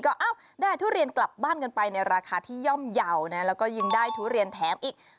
ก็ได้ทุเรียนกลับบ้านกันไปในราคาที่ย่อมเยาว์นะแล้วก็ยิ่งได้ทุเรียนแถมอีก